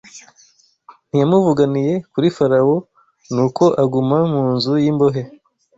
Ntiyamuvuganiye kuri Farawo nuko aguma mu nzu y’imbohe